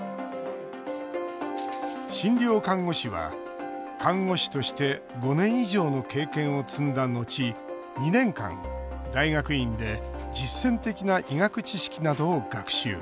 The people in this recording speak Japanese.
診療看護師は、看護師として５年以上の経験を積んだ後２年間、大学院で実践的な医学知識などを学習。